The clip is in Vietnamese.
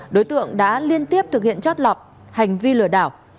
đối tượng đã liên tiếp thực hiện chót lọt hành vi lừa đảo